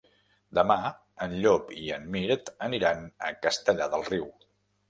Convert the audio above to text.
Demà en Llop i en Mirt aniran a Castellar del Riu.